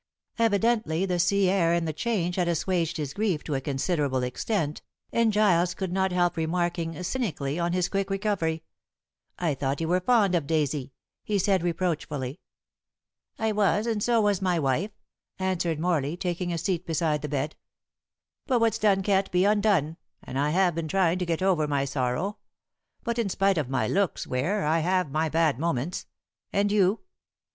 Evidently the sea air and the change had assuaged his grief to a considerable extent, and Giles could not help remarking cynically on his quick recovery. "I thought you were fond of Daisy," he said reproachfully. "I was, and so was my wife," answered Morley, taking a seat beside the bed. "But what's done can't be undone, and I have been trying to get over my sorrow. But in spite of my looks, Ware, I have my bad moments. And you?"